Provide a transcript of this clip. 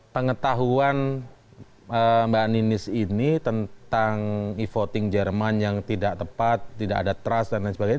pengetahuan mbak aninis ini tentang e voting jerman yang tidak tepat tidak ada trust dan lain sebagainya